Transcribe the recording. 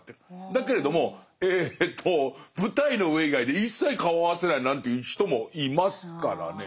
だけれどもえと舞台の上以外で一切顔合わせないなんていう人もいますからね。